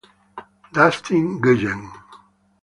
Dustin Nguyen